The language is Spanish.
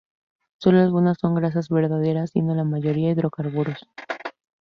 Sólo algunas son grasas verdaderas, siendo la mayoría hidrocarburos.